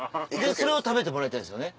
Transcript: それを食べてもらいたいですよね。